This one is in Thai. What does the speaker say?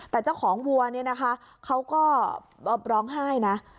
แต่เจ้าของวัวเนี่ยนะคะเขาก็ร้องไห้นะ